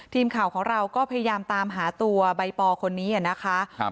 ทีมข่าวของเราก็พยายามตามหาตัวใบปอคนนี้นะคะ